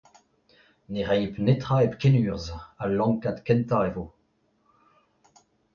Ne raimp netra hep kenurzh, al lankad kentañ e vo.